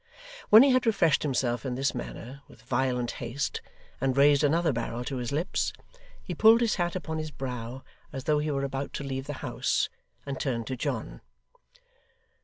When he had refreshed himself in this manner with violent haste, and raised another barrel to his lips, he pulled his hat upon his brow as though he were about to leave the house, and turned to John.